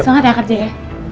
sangat ya kerja ya